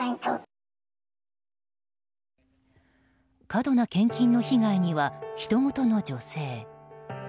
過度な献金の被害にはひとごとの女性。